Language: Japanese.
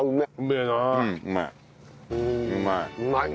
うまい。